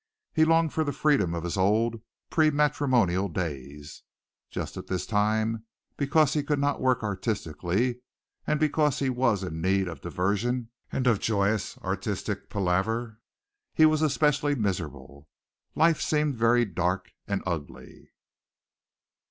He longed for the freedom of his old pre matrimonial days. Just at this time, because he could not work artistically and because he was in need of diversion and of joyous artistic palaver, he was especially miserable. Life seemed very dark and ugly.